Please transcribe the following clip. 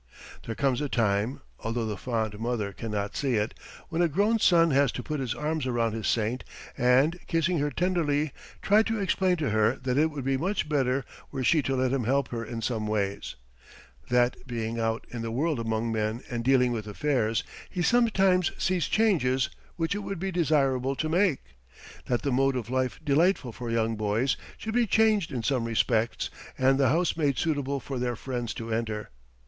There comes a time, although the fond mother cannot see it, when a grown son has to put his arms around his saint and kissing her tenderly try to explain to her that it would be much better were she to let him help her in some ways; that, being out in the world among men and dealing with affairs, he sometimes sees changes which it would be desirable to make; that the mode of life delightful for young boys should be changed in some respects and the house made suitable for their friends to enter.